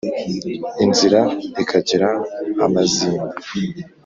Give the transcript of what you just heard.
inzira ikagira amazinda